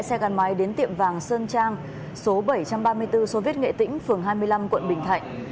xe gắn máy đến tiệm vàng sơn trang số bảy trăm ba mươi bốn sô viết nghệ tĩnh phường hai mươi năm quận bình thạnh